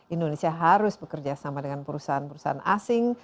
indonesia harus bekerja sama dengan perusahaan perusahaan asing